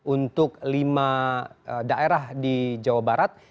untuk lima daerah di jawa barat